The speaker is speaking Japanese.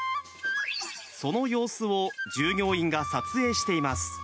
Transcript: その様子を従業員が撮影しています。